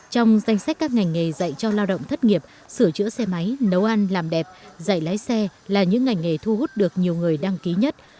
trong danh sách các ngành nghề dạy cho lao động thất nghiệp sửa chữa xe máy nấu ăn làm đẹp dạy lái xe là những ngành nghề thu hút được nhiều người đăng ký nhất